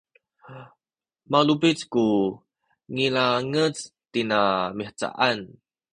malubic ku nilangec tina mihcaan